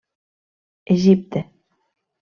Egipte.